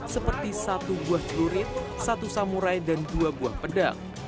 seperti satu buah celurit satu samurai dan dua buah pedang